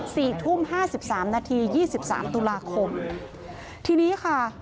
สี่ทุ่มห้าสิบสามนาทียี่สิบสามตุลาคมทีนี้ค่ะ